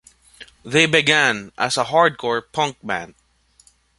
They began as a hardcore punk band.